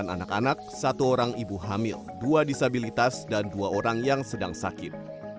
sembilan anak anak satu orang ibu hamil dua disabilitas dan dua orang yang sedang sakit